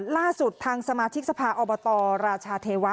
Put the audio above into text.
ล่าสุดทางสมาชิกสภาอบตราชาเทวะ